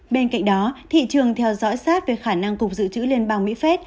bên cạnh đó thị trường theo dõi sát về khả năng cục dự trữ liên bang mỹ phép